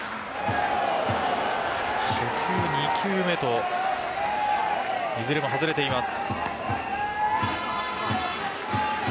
初球、２球目といずれも外れています。